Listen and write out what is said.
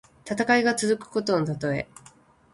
戦いが続くことのたとえ。